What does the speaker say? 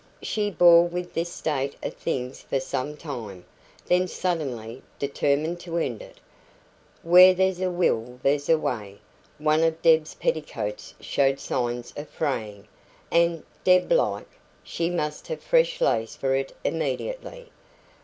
She bore with this state of things for some time, then suddenly determined to end it. "Where there's a will there's a way." One of Deb's petticoats showed signs of fraying, and, Deb like, she must have fresh lace for it immediately.